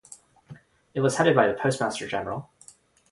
It was headed by the Postmaster General.